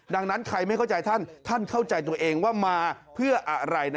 ดังนั้นใครไม่เข้าใจท่านท่านเข้าใจตัวเองว่ามาเพื่ออะไร